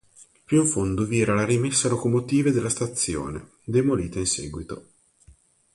Più in fondo vi era la rimessa locomotive della stazione, demolita in seguito.